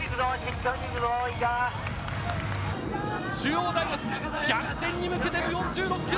中央大学、逆転に向けて４６秒！